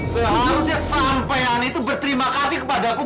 seharusnya sampean itu berterima kasih kepada aku